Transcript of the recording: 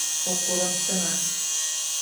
O kurim tiŋa.